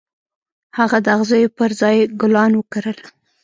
هغه د اغزيو پر ځای ګلان وکرل.